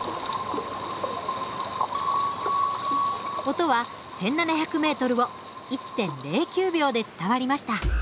音は１，７００ｍを１．０９秒で伝わりました。